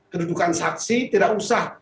kedudukan saksi tidak usah